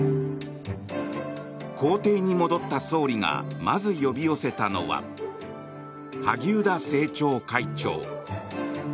公邸に戻った総理がまず呼び寄せたのは萩生田政調会長。